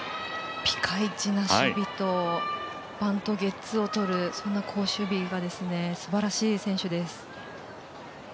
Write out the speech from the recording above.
ピカイチな守備とバントゲッツーをとるそんな好守備が素晴らしい選手です。